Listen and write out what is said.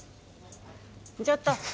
ちょっと！